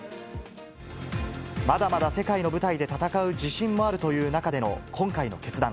まだまだ世界の舞台で戦う自信もあるという中での今回の決断。